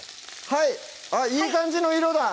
はいあっいい感じの色だ